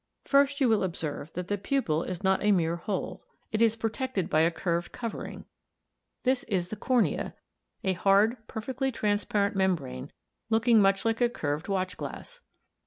First you will observe that the pupil is not a mere hole; it is protected by a curved covering c. This is the cornea, a hard, perfectly transparent membrane, looking much like a curved watch glass.